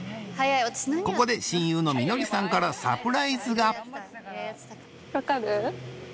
ここで親友のみのりさんからサプライズが分かる？